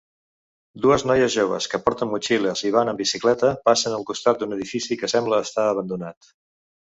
Dues noies joves que porten motxilles i van amb bicicleta passen al costat d'un edifici que sembla estar abandonat.